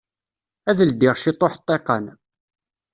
Ad ldiɣ ciṭuḥ ṭṭiqan.